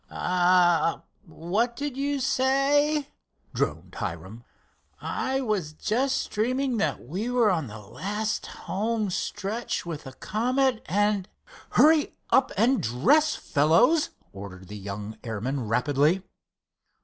"Ah, what did you say?" droned Hiram. "I was just dreaming that we were on the last home stretch with the Comet and——" "Hurry up and dress, fellows," ordered the young airman, rapidly.